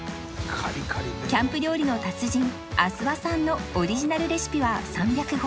キャンプ料理の達人阿諏訪さんのオリジナルレシピは３００超え